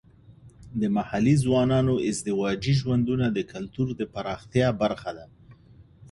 د محلي ځوانانو ازدواجي ژوندونه د کلتور د پراختیا برخه ده.